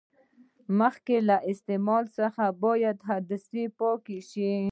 مخکې له استعمال څخه باید عدسې پاکې شي.